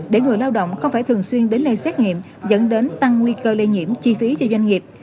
để người lao động không phải thường xuyên đến đây xét nghiệm dẫn đến tăng nguy cơ lây nhiễm chi phí cho doanh nghiệp